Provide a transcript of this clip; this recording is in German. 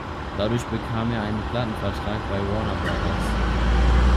Dadurch bekam er einen Plattenvertrag bei Warner Brothers.